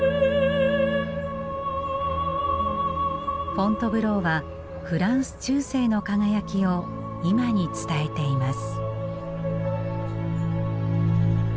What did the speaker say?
フォントヴローはフランス中世の輝きを今に伝えています。